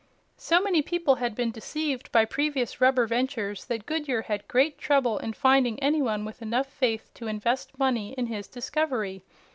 So many people had been deceived by previous rubber ventures that Goodyear had great trouble in finding anyone with enough faith to invest money in his discovery.